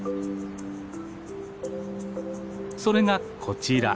それがこちら。